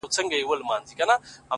درته دعاوي هر ماښام كومه!